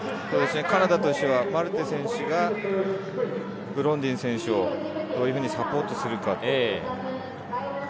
カナダとしてはマルテ選手が、ブロンディン選手をどういうふうにサポートするか。